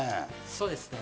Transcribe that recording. そうですね。